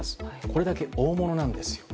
これだけ大物なんですよ。